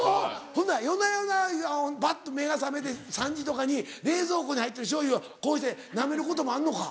ほな夜な夜なバッと目が覚めて３時とかに冷蔵庫に入ってる醤油をこうしてなめることもあんのか？